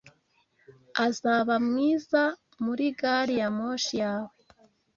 azaba mwiza muri gari ya moshi yawe